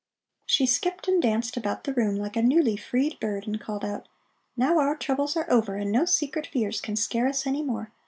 She skipped and danced about the room like a newly freed bird and called out: "Now our troubles are over and no secret fears can scare us any more.